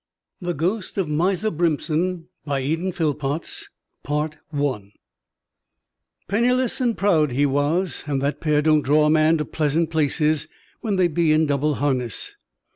The Ghost of Miser Brimpson BY EDEN PHILLPOTTS I Penniless and proud he was; and that pair don't draw a man to pleasant places when they be in double harness.